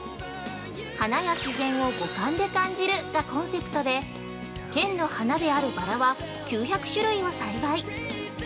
花や自然を「五感で感じる」がコンセプトで、県の花であるバラは９００種類を栽培。